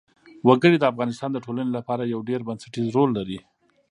وګړي د افغانستان د ټولنې لپاره یو ډېر بنسټيز رول لري.